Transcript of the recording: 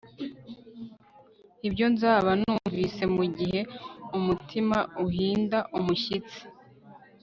Ibyo nzaba numvise mugihe umutima uhinda umushyitsi